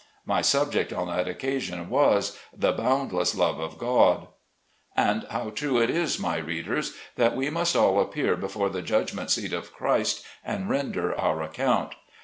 My subject on that occasion was the "boundless love of God" And how true it is, my readers, that we must all appear before the judgment seat of Christ, and ren der our account.